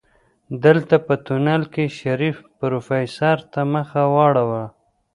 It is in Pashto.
دلته په تونل کې شريف پروفيسر ته مخ واړوه.